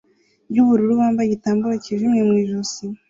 yubururu bambaye igitambaro cyijimye mu ijosi